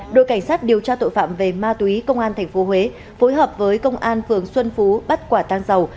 đội cảnh sát điều tra tội phạm về ma túy công an thành phố huế phối hợp với công an phường xuân phú bắt quả tăng dầu